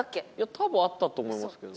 多分あったと思いますけど。